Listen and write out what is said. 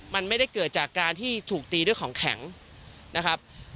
มันไม่ได้เกิดจากการที่ถูกตีด้วยของแข็งนะครับ